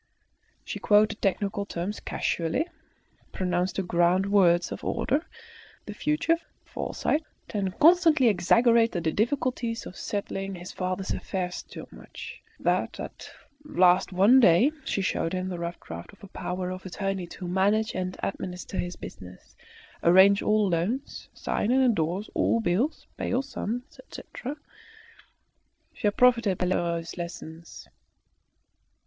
She quoted technical terms casually, pronounced the grand words of order, the future, foresight, and constantly exaggerated the difficulties of settling his father's affairs so much, that at last one day she showed him the rough draft of a power of attorney to manage and administer his business, arrange all loans, sign and endorse all bills, pay all sums, etc. She had profited by Lheureux's lessons.